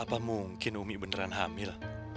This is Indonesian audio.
apa mungkin umi beneran hamil